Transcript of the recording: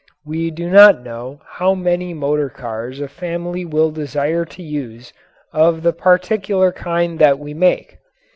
We do not know how many motor cars a family will desire to use of the particular kind that we make.